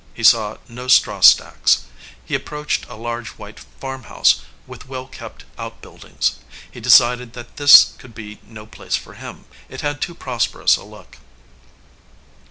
He saw no straw stacks. He approached a large, white farm house, with well kept outbuildings. He decided that this could be no place for him. It had too prosperous a look.